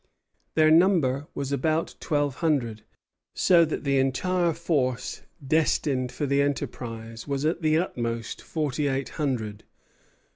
Their number was about twelve hundred, so that the entire forced destined for the enterprise was at the utmost forty eight hundred.